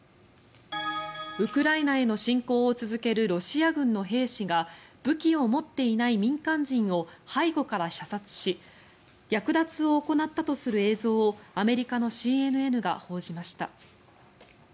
ウクライナへの侵攻を続けるロシア軍の兵士が武器を持っていない民間人を背後から射殺し略奪を行ったとする映像をアメリカのＣＮＮが報じました。